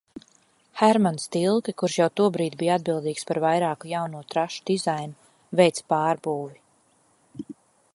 Hermans Tilke, kurš jau tobrīd bija atbildīgs par vairāku jauno trašu dizainu, veica pārbūvi.